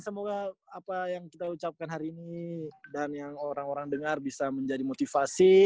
semoga apa yang kita ucapkan hari ini dan yang orang orang dengar bisa menjadi motivasi